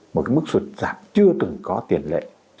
một cái mức sụt giảm chưa từng có tiền lệ